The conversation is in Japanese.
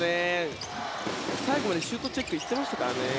最後までシュートチェック行ってましたからね。